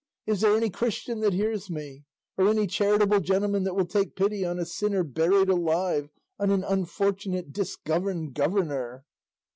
is there any Christian that hears me, or any charitable gentleman that will take pity on a sinner buried alive, on an unfortunate disgoverned governor?"